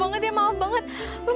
gue mau salah